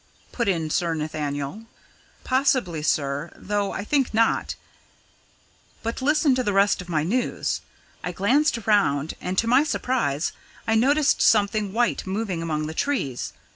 put in Sir Nathaniel. "Possibly, sir, though I think not but listen to the rest of my news. I glanced around, and to my surprise, I noticed something white moving among the trees.